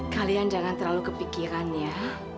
kalian jangan terlalu kepikiran ya